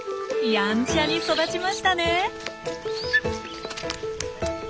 やんちゃに育ちましたね。